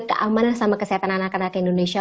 keamanan sama kesehatan anak anak indonesia